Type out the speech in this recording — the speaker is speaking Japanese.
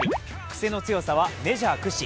クセの強さはメジャー屈指。